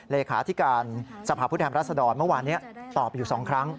เลขาธิการสภาพผู้แทนรัศดรเมื่อวานนี้ตอบอยู่๒ครั้ง